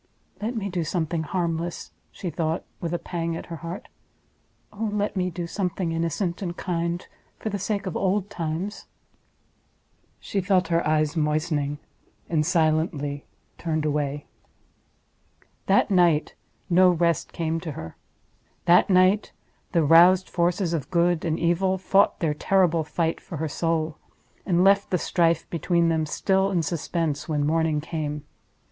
"Let me do something harmless!" she thought, with a pang at her heart—"oh let me do something innocent and kind for the sake of old times!" She felt her eyes moistening, and silently turned away. That night no rest came to her. That night the roused forces of Good and Evil fought their terrible fight for her soul—and left the strife between them still in suspense when morning came.